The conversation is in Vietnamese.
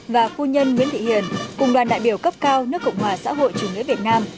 và phu nhân nguyễn thị hiền cùng đoàn đại biểu cấp cao nước cộng hòa xã hội chủ nghĩa việt nam